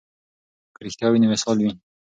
که رښتیا وي نو وصال وي.